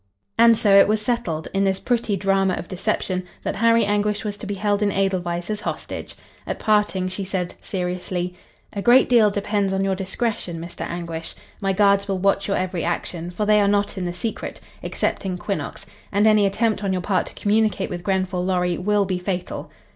And so it was settled, in this pretty drama of deception, that Harry Anguish was to be held in Edelweiss as hostage. At parting she said, seriously: "A great deal depends on your discretion. Mr. Anguish. My guards will watch your every action, for they are not in the secret, excepting Quinnox, and any attempt on your part to communicate with Grenfall Lorry will be fatal."